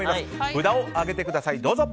札を上げてください、どうぞ。